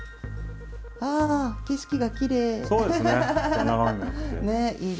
ああ景色がきれい。